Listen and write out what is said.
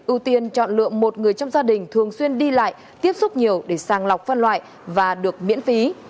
ưu tiên chọn lượng một người trong gia đình thường xuyên đi lại tiếp xúc nhiều để sàng lọc phân loại và được miễn phí